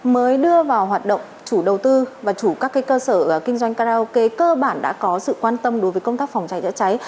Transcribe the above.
mới đưa vào hoạt động chủ đầu tư và chủ các cơ sở kinh doanh karaoke cơ bản đã có sự quan tâm đối với công tác phòng cháy chữa cháy